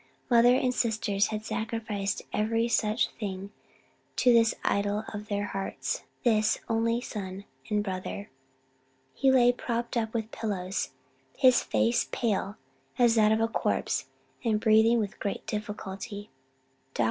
Mother and sisters had sacrificed every such thing to this idol of their hearts, this only son and brother. He lay propped up with pillows, his face pale as that of a corpse, and breathing with great difficulty. Dr.